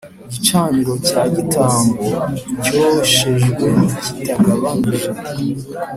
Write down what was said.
Gicaniro cya gitambo cyoshejwe kitagabanije